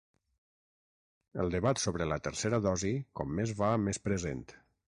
El debat sobre la tercera dosi com més va més present.